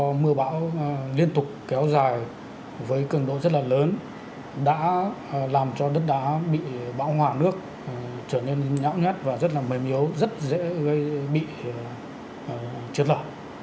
vẫn là do mưa bão liên tục kéo dài với cường độ rất là lớn đã làm cho đất đá bị bão hỏa nước trở nên nhão nhát và rất là mềm yếu rất dễ bị triệt lở